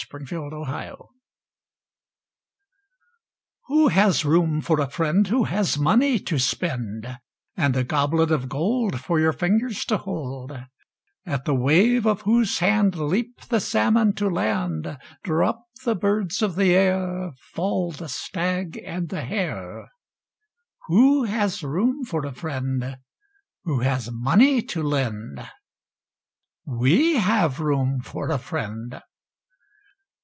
A FRIEND IN NEED Who has room for a friend Who has money to spend, And a goblet of gold For your fingers to hold, At the wave of whose hand Leap the salmon to land, Drop the birds of the air, Fall the stag and the hare. Who has room for a friend Who has money to lend? We have room for a friend!